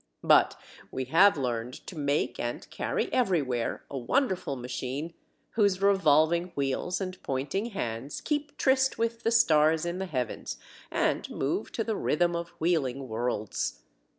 But we have learned to make and carry everywhere a wonderful machine, whose revolving wheels and pointing hands keep tryst with the stars in the heavens and move to the rhythm of wheeling worlds.